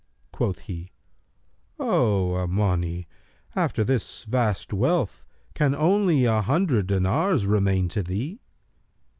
Quoth he, 'O Omбni, after this vast wealth, can only an hundred dinars remain to thee?'